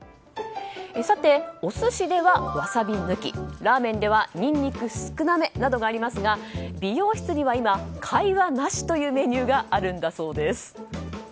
さて、お寿司ではわさび抜きラーメンではにんにく少なめなどがありますが美容室には今、会話なしというメニューがあるんだそうです。